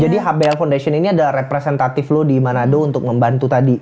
jadi hbl foundation ini adalah representatif lo di manado untuk membantu tadi